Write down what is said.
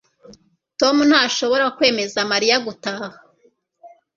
Tom ntashobora kwemeza Mariya gutaha